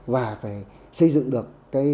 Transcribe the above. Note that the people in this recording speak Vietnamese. và phải xây dựng được